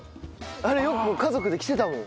あれよく家族で来てたもん。